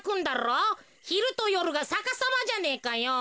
ひるとよるがさかさまじゃねえかよ。